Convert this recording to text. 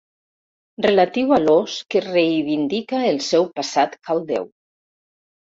Relatiu a l'ós que reivindica el seu passat caldeu.